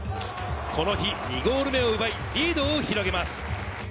この日２ゴール目を奪い、リードを広げます。